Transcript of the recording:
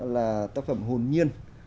là tác phẩm hồn nhiên